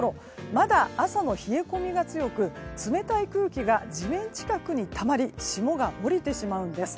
まだ朝の冷え込みが強く冷たい空気が地面近くにたまり霜が降りてしまうんです。